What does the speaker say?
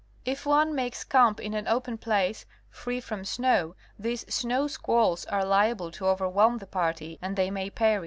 If one makes camp in an open place free from snow, these snow squalls are liable to overwhelm the party and they may perish.